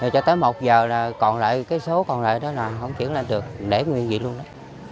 cho tới một giờ là còn lại cái số còn lại đó là không chuyển lên được để nguyên vị luôn đó